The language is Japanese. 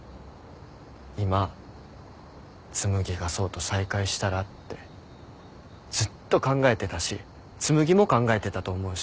今紬が想と再会したらってずっと考えてたし紬も考えてたと思うし。